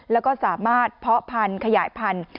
แล้วก็สามารถเพาะพันธุ์ขยายพันธุ์